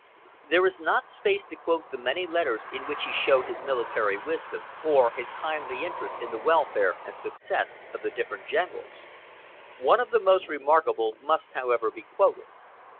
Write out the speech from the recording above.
There is not space to quote the many letters in which he showed his military wisdom, or his kindly interest in the welfare and success of the different generals. One of the most remarkable must however be quoted.